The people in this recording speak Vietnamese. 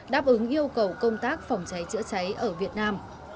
đáp ứng yêu cầu công tác phòng cháy chữa cháy ở việt nam